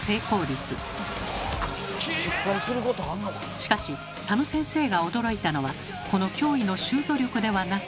しかし佐野先生が驚いたのはこの驚異のシュート力ではなく。